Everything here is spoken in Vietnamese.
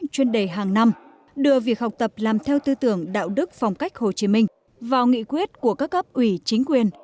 chuyên đề hàng năm đưa việc học tập làm theo tư tưởng đạo đức phong cách hồ chí minh vào nghị quyết của các cấp ủy chính quyền